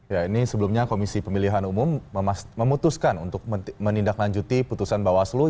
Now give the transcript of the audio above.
ya ini sebelumnya komisi pemilihan umum memutuskan untuk menindaklanjuti putusan bawaslu